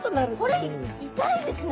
これ痛いですね。